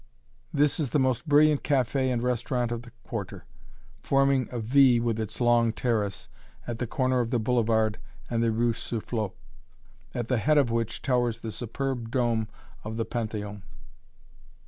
This is the most brilliant café and restaurant of the Quarter, forming a V with its long terrace, at the corner of the boulevard and the rue Soufflot, at the head of which towers the superb dome of the Panthéon.